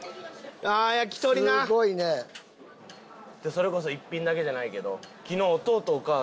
それこそ「１品だけ」じゃないけど。